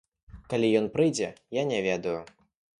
Калі ён прыйдзе, я не ведаю.